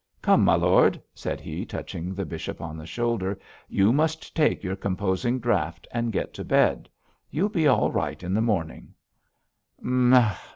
'Come, my lord,' said he, touching the bishop on the shoulder, 'you must take your composing draught and get to bed. You'll be all right in the morning.'